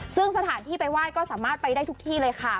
ซึ่งสถานที่ไปไหว้ก็สามารถไปได้ทุกที่เลยค่ะ